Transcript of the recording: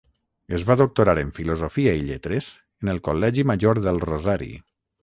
Es va doctorar en Filosofia i Lletres en el Col·legi Major del Rosari.